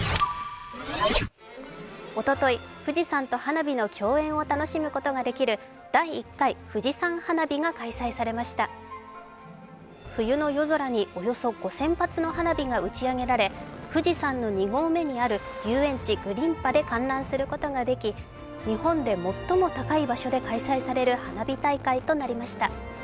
おととい、富士山と花火の協演を楽しむことができる第１回富士山花火が開催されました冬の夜空におよそ５０００発の花火が打ち上げられ富士山の２合目にある遊園地ぐりんぱで開催することができ、日本で最も高い場所で開催される花火大会となりました。